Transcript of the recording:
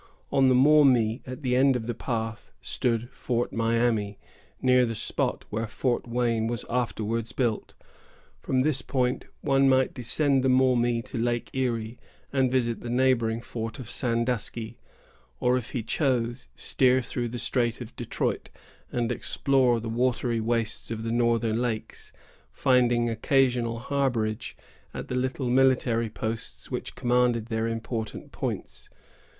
On the Maumee, at the end of the path, stood Fort Miami, near the spot where Fort Wayne was afterwards built. From this point one might descend the Maumee to Lake Erie, and visit the neighboring fort of Sandusky, or, if he chose, steer through the Strait of Detroit, and explore the watery wastes of the northern lakes, finding occasional harborage at the little military posts which commanded their important points.